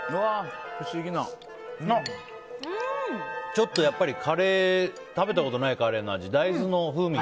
ちょっとやっぱり食べたことないカレーの味。